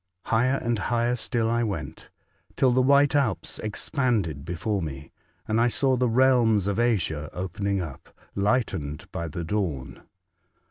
Higher and higher still I went, till the white Alps expanded before me, and I saw the realms of Asia opening up, lightened by the dawn.